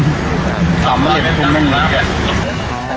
คำมันหลีกออกมันไม่งี้